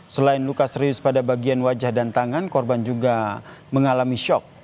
selain luka serius pada bagian wajah dan tangan korban juga mengalami shock